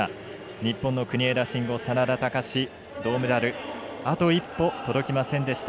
日本の国枝慎吾、眞田卓銅メダル、あと一歩届きませんでした。